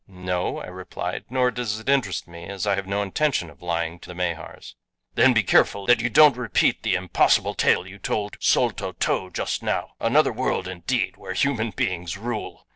"No," I replied, "nor does it interest me, as I have no intention of lying to the Mahars." "Then be careful that you don't repeat the impossible tale you told Sol to to just now another world, indeed, where human beings rule!"